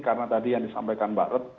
karena tadi yang disampaikan mbak red